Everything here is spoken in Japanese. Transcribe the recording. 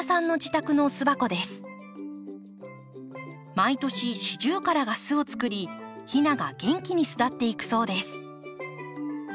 毎年シジュウカラが巣を作りひなが元気に巣立っていくそうです。